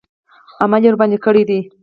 عمل یې ورباندې کړی دی.